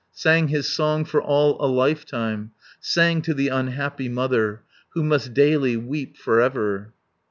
Sang his song for all a lifetime; Sang to the unhappy mother, Who must daily weep for ever.